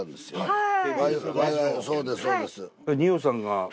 はい。